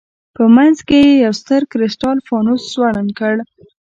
په منځ کې یې یو ستر کرسټال فانوس ځوړند کړ.